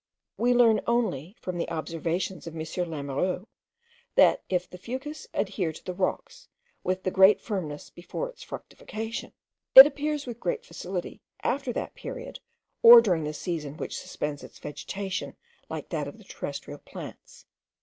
We learn only, from the observations of M. Lamouroux, that if the fucus adhere to the rocks with the greatest firmness before its fructification, it separates with great facility after that period, or during the season which suspends its vegetation like that of the terrestrial plants.